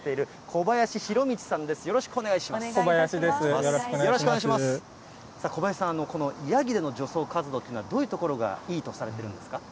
小林さん、このヤギでの除草活動というのは、どういうところがいいとされているんですか。